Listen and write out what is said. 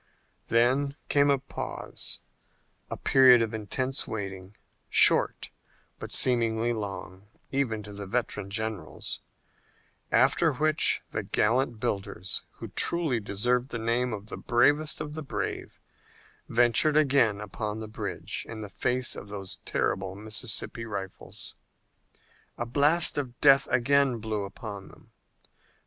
Then came a pause, a period of intense waiting, short, but seemingly long, even to the veteran generals, after which the gallant builders, who truly deserved the name of the bravest of the brave, ventured again upon the bridge in the face of those terrible Mississippi rifles. A blast of death again blew upon them.